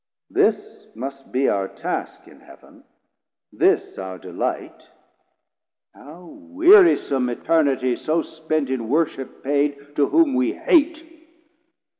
This must be our task In Heav'n, this our delight; how wearisom Eternity so spent in worship paid To whom we hate.